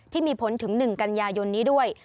ที่มีผลถึง๑กันยายนนี้ด้วย